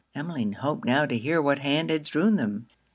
Emmeline hoped now to hear what hand had strewn them.